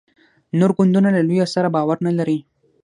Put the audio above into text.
نور ګوندونه له لویه سره باور نه لري.